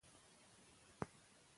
د مشورو قدر وکړئ.